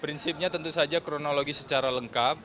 prinsipnya tentu saja kronologi secara lengkap